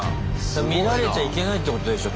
見られちゃいけないってことでしょ